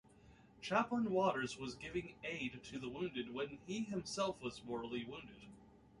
Chaplain Watters was giving aid to the wounded when he himself was mortally wounded.